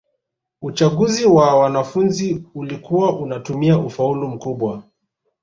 uchaguzi wa wanafunzi ulikuwa unatumia ufaulu mkubwa